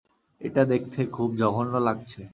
এইটা দেখতে খুব জঘন্য লাগছে।